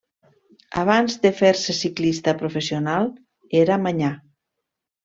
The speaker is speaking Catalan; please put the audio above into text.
Abans de fer-se ciclista professional era manyà.